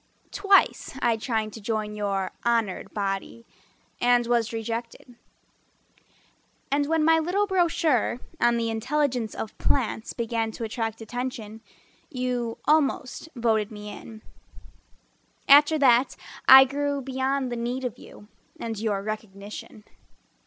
Twice I tried to join your honored body, And was rejected And when my little brochure On the intelligence of plants Began to attract attention You almost voted me in. After that I grew beyond the need of you And your recognition.